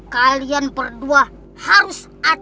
kalian berdua harus atur